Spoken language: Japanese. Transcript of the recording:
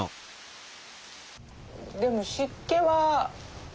でも湿気は。